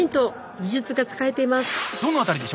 技術が使えています。